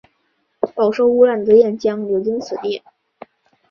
饱受污染的练江流经此地。